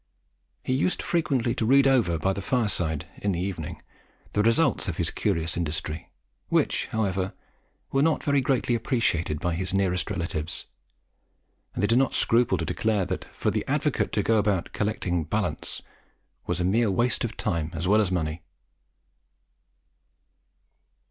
He used frequently to read over by the fireside in the evening the results of his curious industry, which, however, were not very greatly appreciated by his nearest relatives; and they did not scruple to declare that for the "Advocate" to go about collecting "ballants" was mere waste of time as well as money.